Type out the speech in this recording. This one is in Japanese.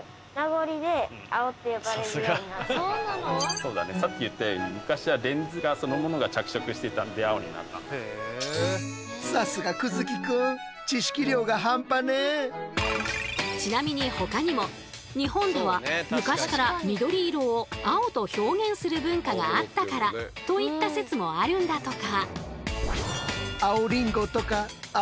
そうだねさっき言ったようにちなみにほかにも日本では昔から緑色を青と表現する文化があったからといった説もあるんだとか。